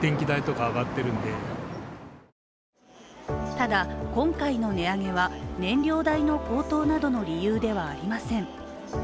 ただ今回の値上げは燃料代の高騰などの理由ではありません。